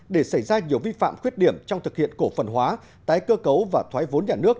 để xảy ra nhiều vi phạm khuyết điểm trong thực hiện cổ phần hóa tái cơ cấu và thoái vốn nhà nước